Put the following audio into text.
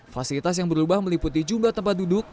fasilitas yang berubah meliputi jumlah tempat duduk